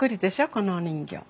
このお人形。